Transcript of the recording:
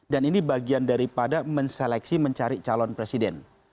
dan ini bagian daripada menseleksi mencari calon presiden